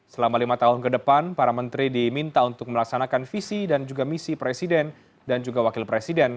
selama lima tahun ke depan para menteri diminta untuk melaksanakan visi dan juga misi presiden dan juga wakil presiden